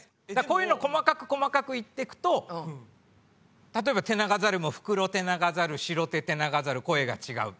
こういうのを細かく細かく言ってくと例えばテナガザルもフクロテナガザルシロテテナガザル声が違う。